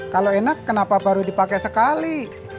kalo enak kenapa baru dipake sekali